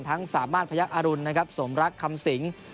ทั้งสามารถพระยักษ์อารุณนะครับสมรักคำสิงฯ